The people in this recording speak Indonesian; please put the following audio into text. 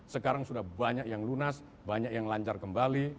sekarang sudah banyak yang lunas banyak yang lancar kembali